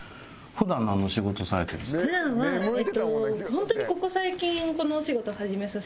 普段はホントにここ最近このお仕事を始めさせてもらって。